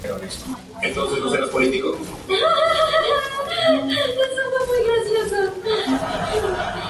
Es útil para demostrar que un lenguaje específico no es regular.